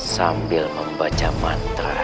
sambil membaca mantra